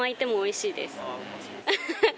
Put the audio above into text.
ハハハ！